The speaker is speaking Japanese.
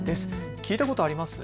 聞いたことあります？